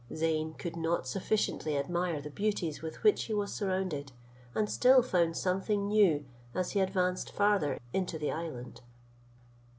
Zeyn could not sufficiently admire the beauties with which he was surrounded, and still found something new, as he advanced farther into the island.